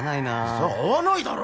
そりゃ合わないだろ